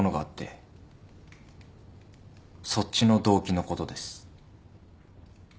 そっちの動機のことです。